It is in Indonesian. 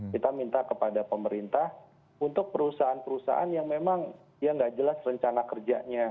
kita minta kepada pemerintah untuk perusahaan perusahaan yang memang ya nggak jelas rencana kerjanya